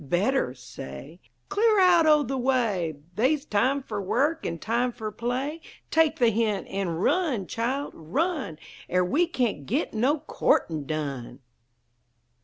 Better say "Clear out o' the way! They's time fer work, an' time fer play! Take the hint, an' run, Child; run! Er we cain't git no courtin' done!"